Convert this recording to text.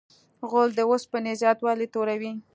غول د اوسپنې زیاتوالی توروي.